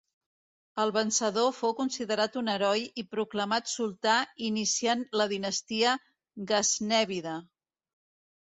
El vencedor fou considerat un heroi i proclamat sultà iniciant la dinastia gaznèvida.